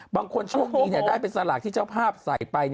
บางคนโชคดีได้เป็นสลากที่เจ้าภาพใส่ไป